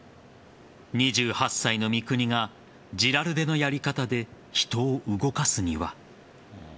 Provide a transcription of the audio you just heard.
２８歳の三國がジラルデのやり方で人を動かすには。